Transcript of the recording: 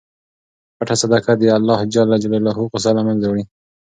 پټه صدقه د اللهﷻ غصه له منځه وړي.